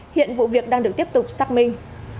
hiện vụ việc đang được tiếp tục xác minh